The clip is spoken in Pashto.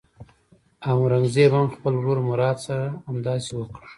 اورنګزېب هم د خپل ورور مراد سره همداسې وکړ.